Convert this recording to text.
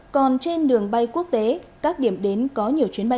còn trên đường bay quốc tế các điểm đến có nhiều chuyến bay